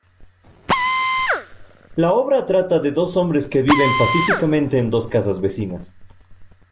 La obra trata de dos hombres que viven pacíficamente en dos casas vecinas.